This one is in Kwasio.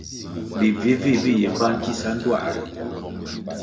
Bi bvih-bvih bi yi mbpa nkisa ndtuā ri.